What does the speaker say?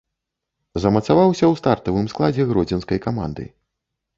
Замацаваўся ў стартавым складзе гродзенскай каманды.